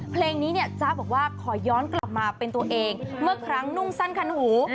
เพลงนี้เนี่ยจ๊ะบอกว่าขอย้อนกลับมาเป็นตัวเองเมื่อครั้งนุ่งสั้นคันหู